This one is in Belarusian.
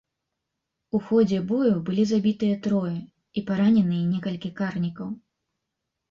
У ходзе бою былі забітыя трое і параненыя некалькі карнікаў.